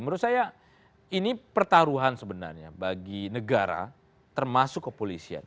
menurut saya ini pertaruhan sebenarnya bagi negara termasuk kepolisian